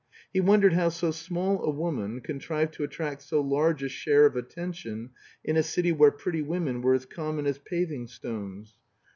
He wondered how so small a woman contrived to attract so large a share of attention in a city where pretty women were as common as paving stones.